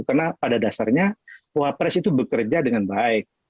karena pada dasarnya wapres itu bekerja dengan baik